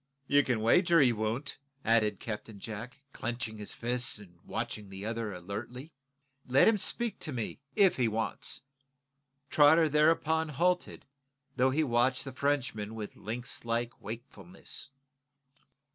"You can wager he won't," added Captain Jack, clenching his fists and watching the other alertly. "Let him speak to me, if he wants." Trotter thereupon halted, though he watched the Frenchman with lynx like wakefulness.